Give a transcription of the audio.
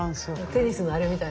テニスのあれみたいな。